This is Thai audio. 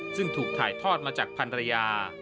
ซึ่งถูกถ่ายทอดมาจากพันรยา